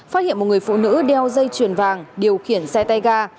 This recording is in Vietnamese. phát hiện một người phụ nữ đeo dây chuyền vàng điều khiển xe tay ga